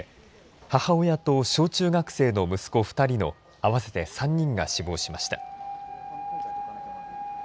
母親と小中学生の息子２人の合わせて３人が死亡しました。